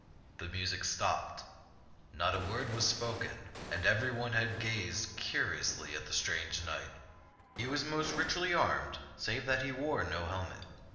The music stopped, not a word was spoken, and every one gazed curiously at the strange knight. He was most richly armed save that he wore no helmet.